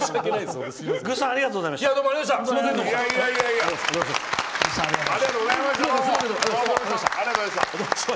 ぐっさんありがとうございました。